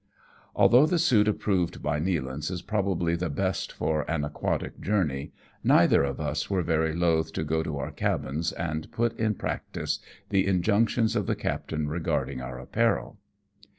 Although the suit approved by Nealance is probably the best for an aquatic journey, neither of us were very loth to go to our cabins, and put in practice the in junctions of the captain regarding our apparel.